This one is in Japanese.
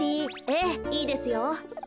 ええいいですよ。